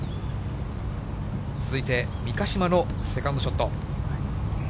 続いて三ヶ島のセカンドショット。